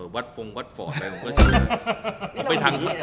วัดฟองวัดฟอร์ด